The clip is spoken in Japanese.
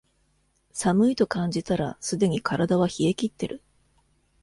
寒いと感じたらすでに体は冷えきってる